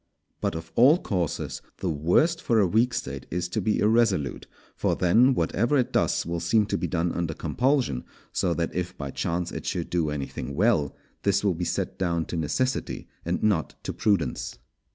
But of all courses the worst for a weak State is to be irresolute; for then whatever it does will seem to be done under compulsion, so that if by chance it should do anything well, this will be set down to necessity and not to prudence.